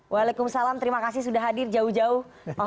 waalaikumsalam terima kasih sudah hadir jauh jauh